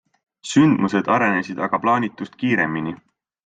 Sündmused arenesid aga plaanitust kiiremini.